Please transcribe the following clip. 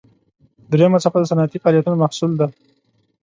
دریمه څپه د صنعتي فعالیتونو محصول دی.